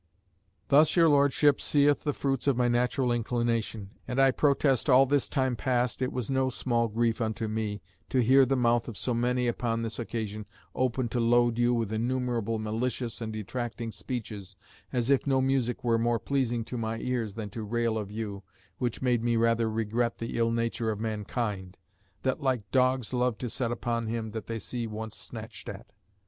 "Thus your Lordship seeth the fruits of my natural inclination; and I protest all this time past it was no small grief unto me to hear the mouth of so many upon this occasion open to load you with innumerable malicious and detracting speeches, as if no music were more pleasing to my ears than to rail of you, which made me rather regret the ill nature of mankind, that like dogs love to set upon him that they see once snatched at.